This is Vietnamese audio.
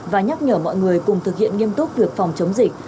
và nhắc nhở mọi người cùng thực hiện nghiêm túc việc phòng chống dịch